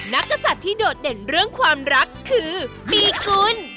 กษัตริย์ที่โดดเด่นเรื่องความรักคือมีคุณ